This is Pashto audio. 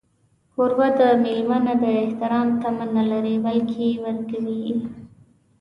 کوربه د مېلمه نه د احترام تمه نه لري، بلکې ورکوي.